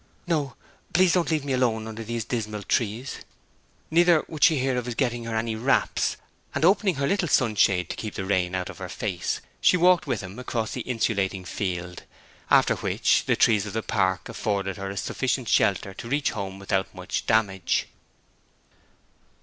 'No; please don't leave me alone under these dismal trees!' Neither would she hear of his getting her any wraps; and, opening her little sunshade to keep the rain out of her face, she walked with him across the insulating field, after which the trees of the park afforded her a sufficient shelter to reach home without much damage.